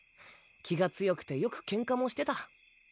気が強くてよく喧嘩もしてた。